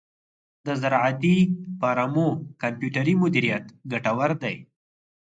د زراعتی فارمو کمپیوټري مدیریت ګټور دی.